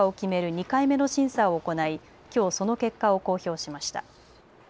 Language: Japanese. ２回目の審査を行いきょうその結果を公表しました。